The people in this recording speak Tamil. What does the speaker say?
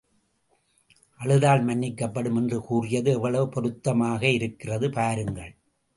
அழுதால் மன்னிக்கப்படும் என்று கூறியது எவ்வளவு பொருத்தமாக இருக்கிறது பாருங்கள்!